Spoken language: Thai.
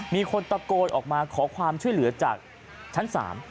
มีคนตะโกนออกมาขอความช่วยเหลือจากชั้น๓